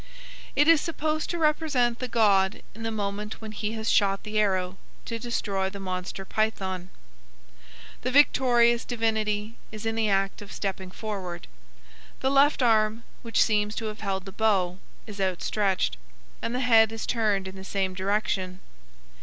It is supposed to represent the god in the moment when he has shot the arrow to destroy the monster Python. (See Chapter III.) The victorious divinity is in the act of stepping forward. The left arm, which seems to have held the bow, is outstretched, and the head is turned in the same direction.